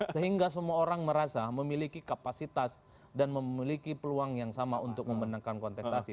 sehingga semua orang merasa memiliki kapasitas dan memiliki peluang yang sama untuk memenangkan kontestasi